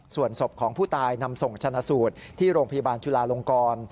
ส่วนศพของผู้ตายนำส่งชนะสูตรที่โรงพยาบาลจุลาลงกร